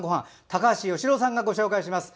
高橋善郎さんがご紹介します。